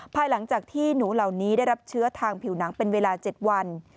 ภายหลังจากที่หนูเหล่านี้ได้รับเชื้อทางผิวหนังเป็นเวลา๗วัน